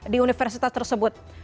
di universitas tersebut